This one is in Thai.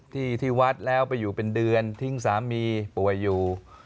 ที่ที่วัดแล้วไปอยู่เป็นเดือนทิ้งสามีป่วยอยู่